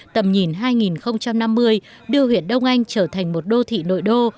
tầm nhìn hai nghìn năm mươi đưa huyện đông anh trở thành một đô thị nội đô